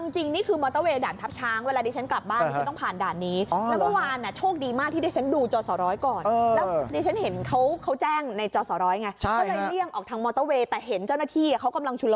จริงนี่คืออละทิกมอเตอร์เวย์ด่านทับช้าง